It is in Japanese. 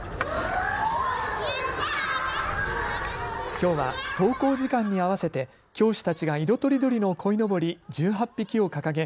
きょうは登校時間に合わせて教師たちが色とりどりのこいのぼり１８匹を掲げ